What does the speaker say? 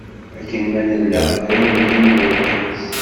Akken ma nella, d arraw n yiwen n wergaz.